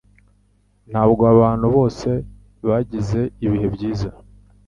Ntabwo abantu bose bagize ibihe byiza